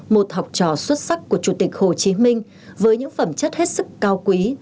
một học trò xuất sắc của chủ tịch hồ chí minh với những phẩm chất hết sức cao quý